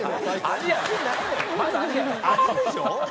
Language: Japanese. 味でしょ？